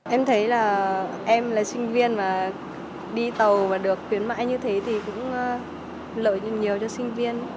em thấy là em là sinh viên mà đi tàu và được khuyến mãi như thế thì cũng lợi nhuận nhiều cho sinh viên